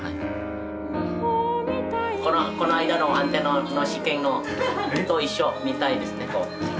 この間のアンテナの試験と一緒みたいですねこう。